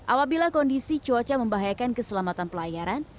apabila kondisi cuaca membahayakan keselamatan pelayaran